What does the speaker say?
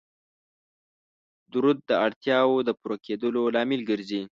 درود د اړتیاو د پوره کیدلو لامل ګرځي